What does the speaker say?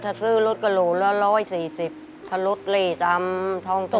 ถ้าซื้อรถกระโหลละ๑๔๐ถ้ารถเล่ทำทองตัว